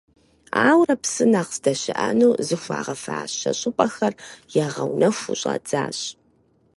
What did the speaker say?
Ауэрэ, псы нэхъ здэщыӏэну зыхуагъэфащэ щӏыпӏэхэр ягъэунэхуу щӏадзащ.